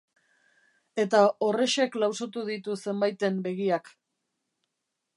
Eta horrexek lausotu ditu zenbaiten begiak.